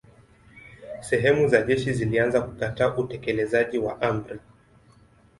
Sehemu za jeshi zilianza kukataa utekelezaji wa amri.